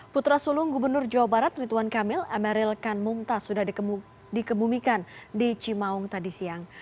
putra sulung gubernur jawa barat rituan kamil emeril kanmumta sudah dikemumikan di cimaung tadi siang